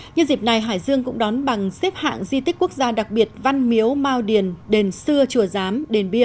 nhân dịp này hải dương cũng đón bằng xếp hạng di tích quốc gia đặc biệt văn miếu mau điền đền xưa chùa giám đền bia